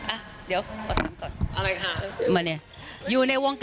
อ่ะเดี๋ยวขอถามก่อน